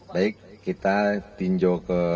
baik kita tinjau ke